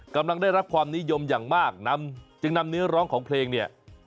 กำลังได้รับความนิยมอย่างมากนำจึงนำเนื้อร้องของเพลงเนี่ย